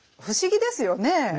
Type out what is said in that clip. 不思議ですよね。